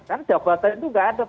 kan jabatan itu tidak ada